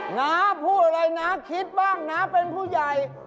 น้าพูดอะไรนะคิดบ้างน้าเป็นผู้ใหญ่